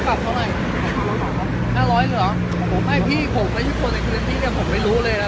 หรอผมให้พี่ผมแล้วที่คนในที่เนี้ยผมไม่รู้เลยนะ